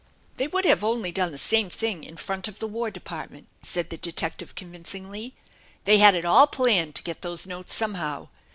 "They would have only done the same thing in front of the War Department," said the detective convincingly. " They had it all planned to get those notes somehow.